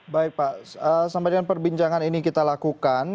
baik pak sampai dengan perbincangan ini kita lakukan